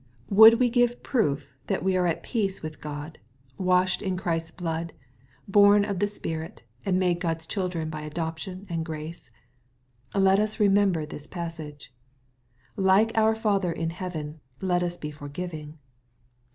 Would we give proof that we are at peace with God, washed in Christ's blood, born of the Spirit, and mado God's children by adoption and grace ? Let us remem ber this passage. Like our Father in heaven, let us be forgiving.